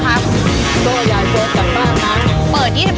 ก็อย่าโกรธกับบ้างนะ